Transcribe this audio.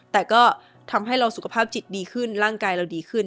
แต่ก็ทำให้เราสุขภาพจิตดีขึ้นร่างกายเราดีขึ้น